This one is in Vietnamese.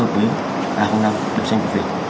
phù hợp với a năm